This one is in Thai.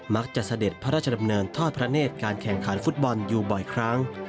เสด็จพระราชดำเนินทอดพระเนธการแข่งขันฟุตบอลอยู่บ่อยครั้ง